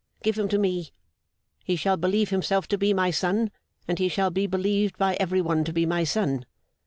Give him to me. He shall believe himself to be my son, and he shall be believed by every one to be my son.